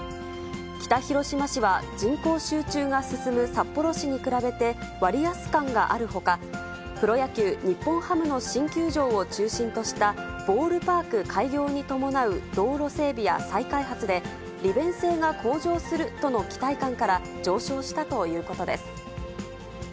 北広島市は人口集中が進む札幌市に比べて割安感があるほか、プロ野球・日本ハムの新球場を中心としたボールパーク開業に伴う道路整備や再開発で、利便性が向上するとの期待感から上昇したということです。